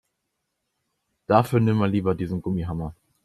Dafür nimm mal lieber diesen Gummihammer.